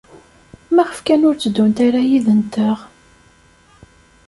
Maɣef kan ur tteddunt ara yid-nteɣ?